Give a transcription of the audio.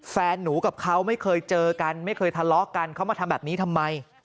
แฟนหนูกับเขาไม่เคยเจอกันไม่เคยทะเลาะกันเขามาทำแบบนี้ทำไม